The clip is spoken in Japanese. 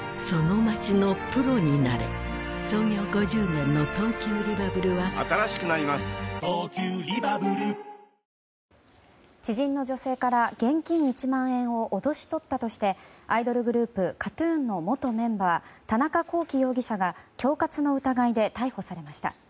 きっと中でミーティングをしながら知人の女性から現金１万円を脅し取ったとしてアイドルグループＫＡＴ‐ＴＵＮの元メンバー田中聖容疑者が恐喝の疑いで逮捕されました。